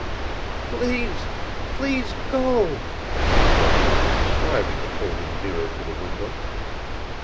"Please please go!" she sobbed, striving to pull him nearer to the window.